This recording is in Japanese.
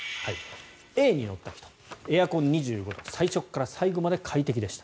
Ａに乗った人エアコン、２５度最初から最後まで快適でした。